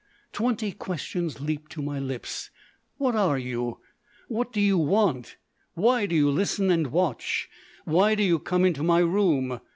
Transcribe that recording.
Twenty questions leaped to my lips: What are you? What do you want? Why do you listen and watch? Why do you come into my room?